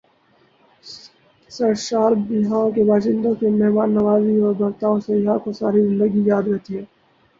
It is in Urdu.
سرشاریہاں کے باشندوں کی مہمان نوازی اور برتائو سیاح کو ساری زندگی یاد رہتی ہیں ۔